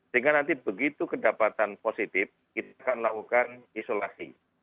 sehingga nanti begitu kedapatan positif kita akan lakukan isolasi